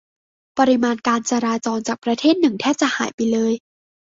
ปริมาณการจราจรจากประเทศหนึ่งแทบจะหายไปเลย